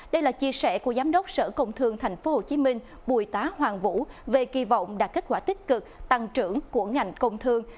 đây là chia sẻ của giám đốc sở công thương tp hcm bùi tá hoàng vũ về kỳ vọng đạt kết quả tích cực tăng trưởng của ngành công thương